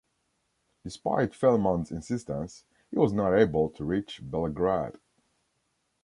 Despite Felman's insistence, he was not able to reach Belgrade.